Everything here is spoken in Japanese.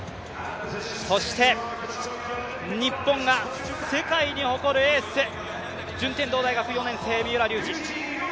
そして日本が世界に誇るエース、順天堂大学４年生、三浦龍司。